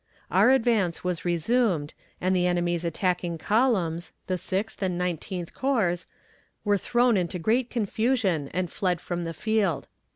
Our advance was resumed, and the enemy's attacking columns, the Sixth and Nineteenth Corps, were thrown into great confusion and fled from the field.